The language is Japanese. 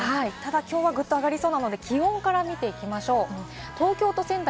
きょうはぐっと上がりますので、気温から見ていきましょう。